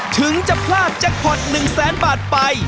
ถึงจะพลาดจากผด๑แสนบาทไป